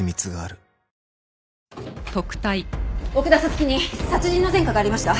月に殺人の前科がありました。